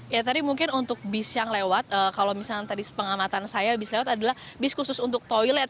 ya tadi mungkin untuk bis yang lewat kalau misalnya tadi pengamatan saya bis lewat adalah bis khusus untuk toilet